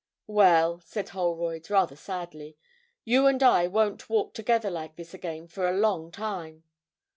'Well,' said Holroyd, rather sadly, 'you and I won't walk together like this again for a long time.'